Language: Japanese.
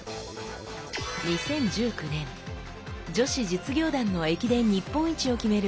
２０１９年女子実業団の駅伝日本一を決める